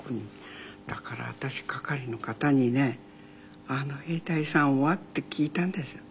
だから私係の方にね「あの兵隊さんは？」って聞いたんですよ。